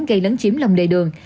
gây lấn chiếm lòng đề đường